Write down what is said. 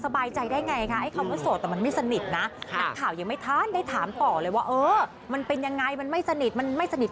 เพราะบอกว่าเค้าโสดแต่เค้าโสดไม่สนิท